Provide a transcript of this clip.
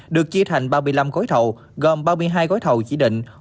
được chia thành ba mươi năm gói thầu gồm ba mươi hai gói thầu chỉ định